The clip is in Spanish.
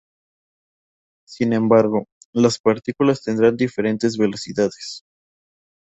Sin embargo, las partículas tendrán diferentes velocidades.